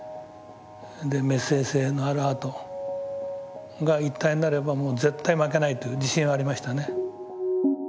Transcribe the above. でメッセージ性のあるアートが一体になればもう絶対負けないという自信はありましたね。